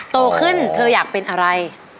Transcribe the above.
โตขึ้นเธออยากเป็นอะไร